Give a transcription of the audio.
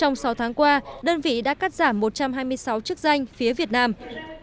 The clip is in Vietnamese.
trong sáu tháng qua đơn vị đã cắt giảm một trăm hai mươi sáu chức danh phía việt nam